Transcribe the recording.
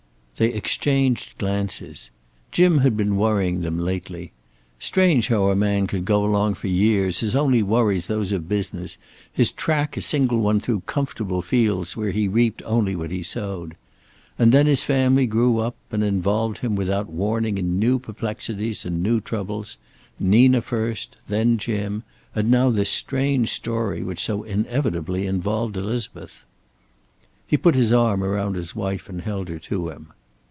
They exchanged glances. Jim had been worrying them lately. Strange how a man could go along for years, his only worries those of business, his track a single one through comfortable fields where he reaped only what he sowed. And then his family grew up, and involved him without warning in new perplexities and new troubles. Nina first, then Jim, and now this strange story which so inevitably involved Elizabeth. He put his arm around his wife and held her to him.